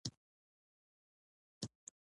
نښته وسوه.